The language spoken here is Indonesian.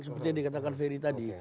seperti yang dikatakan ferry tadi